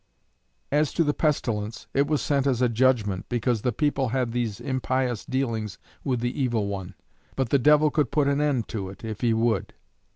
As to the pestilence, it was sent as a judgment because the people had these impious dealings with the Evil One; but the devil could put an end to it if he would.